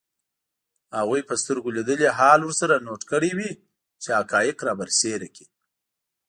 هغوی به سترګو لیدلی حال ورسره نوټ کړی وي چي حقایق رابرسېره کړي